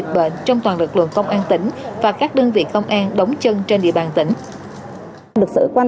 các đơn vị trong công an tỉnh đồng thời phung thuốc hữu quẩn